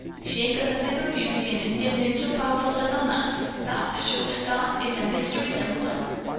She ain't got nothin' but beauty, and Indians ain't so powerful set on that. Thar sure sartin is a mystery somewhere."